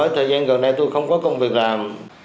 cho nên gần đây tôi không có công việc làm